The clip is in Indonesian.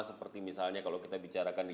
seperti misalnya kalau kita bicarakan di